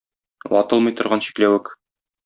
Ватылмый торган чикләвек.